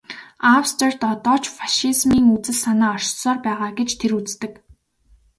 Австрид одоо ч фашизмын үзэл санаа оршсоор байгаа гэж тэр үздэг.